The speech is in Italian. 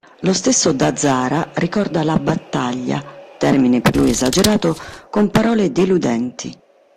Lo stesso Da Zara ricorda la “battaglia”, termine per lui esagerato, con parole deludenti.